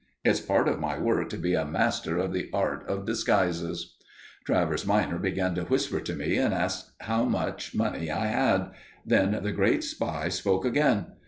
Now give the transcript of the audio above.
It's part of my work to be a master of the art of disguises." Travers minor began to whisper to me, and asked me how much money I had. Then the great spy spoke again.